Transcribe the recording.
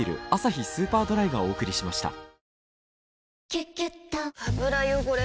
「キュキュット」油汚れ